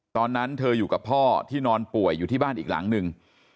ตอนนั้นเธออยู่กับพ่อที่นอนป่วยอยู่ที่บ้านอีกหลังหนึ่ง